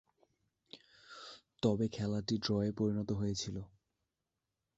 তবে খেলাটি ড্রয়ে পরিণত হয়েছিল।